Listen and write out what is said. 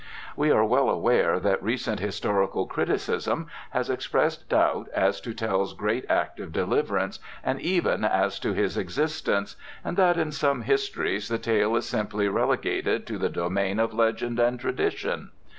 We are well aware that recent historical criticism has expressed doubt as to Tell's great act of deliverance, and even as to his existence, and that in some histories the tale is simply relegated to the domain of legend and tradition.